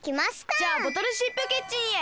じゃあボトルシップキッチンへ。